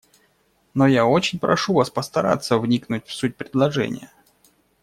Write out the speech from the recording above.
Но я очень прошу Вас постараться вникнуть в суть предложения».